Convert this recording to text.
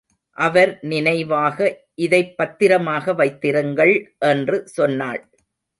அவர் நினைவாக இதைப் பத்திரமாக வைத்திருங்கள் என்று சொன்னாள்.